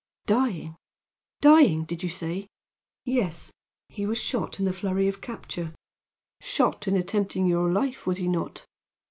"Dying! dying, did you say?" "Yes. He was shot in the flurry of capture." "Shot in attempting your life, was he not?"